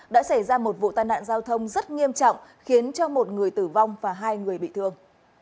đã xảy ra một vụ tai nạn giao thông rất nghiêm trọng khiến cho một người tử vong và hai người bị thương